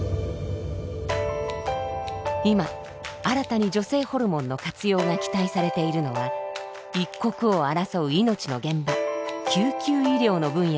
今新たに女性ホルモンの活用が期待されているのは一刻を争う命の現場救急医療の分野です。